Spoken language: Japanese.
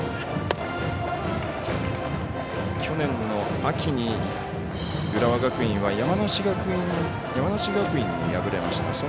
去年の秋に浦和学院は山梨学院に敗れました。